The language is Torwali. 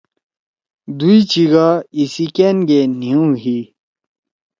دُوئی چیِگا ایِسی کأن گے نھیو ہی۔